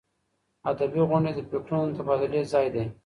ادبي غونډې د فکرونو د تبادلې ځای دی.